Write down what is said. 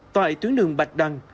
tại tuyến đường bạch đăng